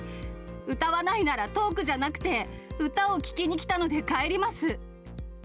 歌わないならトークじゃなくて、歌を聴きに来たので帰ります。